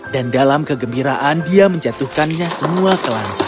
dan dalam kegembiraan dia menjatuhkannya semua ke lantai